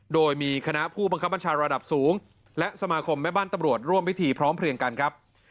โดยมีคณะผู้บังคับบัญชาระดับสูงและสมาคมแม่บ้านตำรวจร่วมพิธีพร้อมเพลียงกันครับ